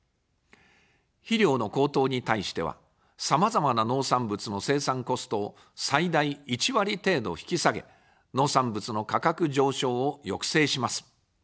肥料の高騰に対しては、さまざまな農産物の生産コストを最大１割程度引き下げ、農産物の価格上昇を抑制します。